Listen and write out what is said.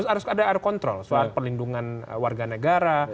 harus ada air kontrol soal perlindungan warga negara